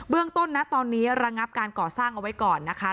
เรื่องต้นนะตอนนี้ระงับการก่อสร้างเอาไว้ก่อนนะคะ